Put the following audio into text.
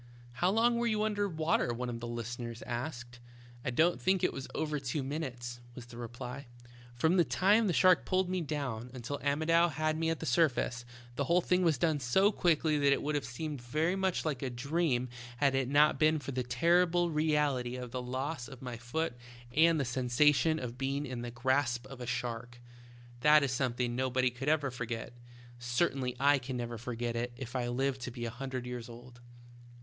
"How long were you under water ?" one of the listeners asked. "I don't think it was over two minutes," was the reply, "from the time the shark pulled me down until Amodou had me at the surface. The whole thing was done so quickly that it would have seemed very much like a dream had it not been for the terrible reality of the loss of my foot In a shark^s mouth. 75 and the sensation of being in the grasp of a shark. That is something nobody ever could forget ; cer tainly I can never forget it if I live to be a hundred years old."